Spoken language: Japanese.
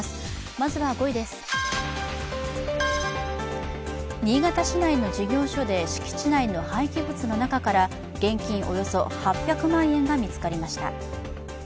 まずは５位です、新潟市内の事業所で敷地内の廃棄物の中から現金およそ８００万円が見つかりました。